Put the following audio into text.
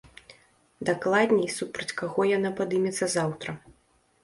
Дакладней, супраць каго яна падымецца заўтра.